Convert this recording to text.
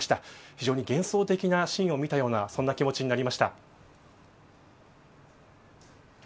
非常に幻想的なシーンを見たようなそんな気持ちになりました。